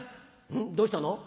どうしたの？